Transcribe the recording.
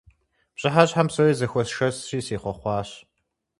Пщыхьэщхьэм псори зэхуэсшэсри сехъуэхъуащ.